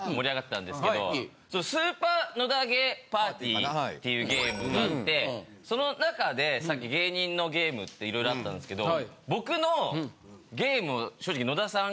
「スーパー野田ゲーＰＡＲＴＹ」っていうゲームがあってその中でさっき芸人のゲームって色々あったんですけど。